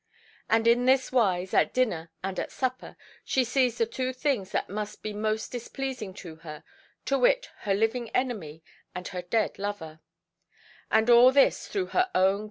And in this wise, at dinner and at supper, she sees the two things that must be most displeasing to her, to wit, her living enemy, and her dead lover; and all this through her own great sinfulness.